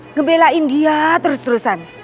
ngebelain dia terus terusan